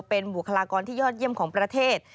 เป็นบุคลากรที่ยอดเยี่ยมของประเทศ